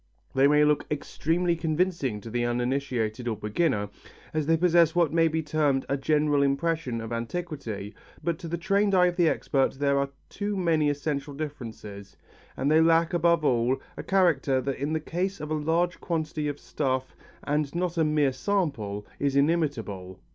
They may look extremely convincing to the uninitiated or beginner, as they possess what may be termed a general impression of antiquity, but to the trained eye of the expert there are too many essential differences; and they lack, above all, a character that in the case of a large quantity of stuff and not a mere sample, is inimitable.